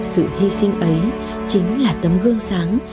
sự hy sinh ấy chính là tấm gương sáng